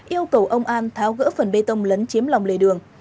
yêu cầu ông an tháo gỡ phần bê tông lấn chiếm lòng lề đường